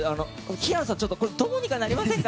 平野さんどうにかなりませんか。